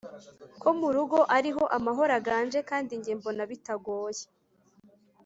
ko mu rugo ariho amahoro aganje* kandi njye mbona bitagoye!